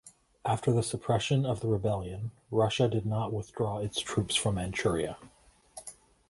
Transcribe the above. After the suppression of the rebellion, Russia did not withdraw its troops from Manchuria.